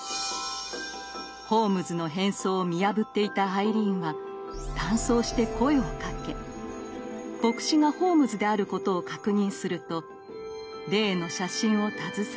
ホームズの変装を見破っていたアイリーンは男装して声をかけ牧師がホームズであることを確認すると例の写真を携え